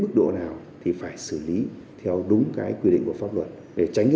người tham gia giao thông